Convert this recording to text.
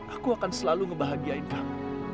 aku akan selalu ngebahagiain kamu